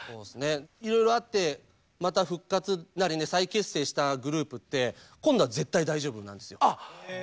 いろいろあってまた復活なりね再結成したグループって今度は絶対大丈夫なんですよ。